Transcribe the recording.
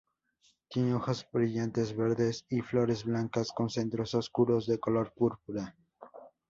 Tiene hojas brillantes verdes y flores blancas con centros oscuros de color púrpura.